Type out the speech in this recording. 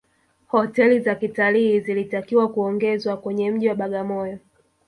hoteli za kitalii zilitakiwa kuongezwa kwenye mji wa bagamoyo